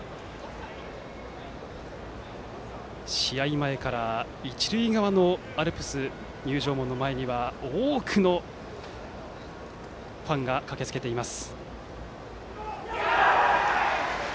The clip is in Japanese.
試合前から一塁側のアルプス入場門の前には多くのファンが駆けつけています。